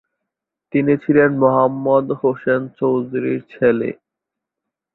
তিনি ছিলেন মোহাম্মদ হোসেন চৌধুরীর ছেলে।